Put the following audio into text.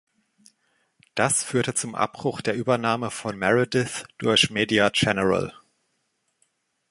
Das führte zum Abbruch der Übernahme von Meredith durch Media General.